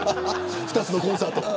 ２つのコンサート。